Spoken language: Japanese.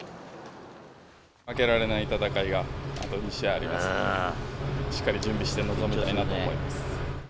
負けられない戦いが、あと２試合ありますんで、しっかり準備して臨みたいなと思います。